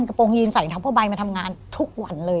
กระโปรงยีนใส่ทั้งผ้าใบมาทำงานทุกวันเลย